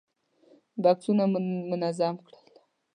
بکسونه مو منظم کړل.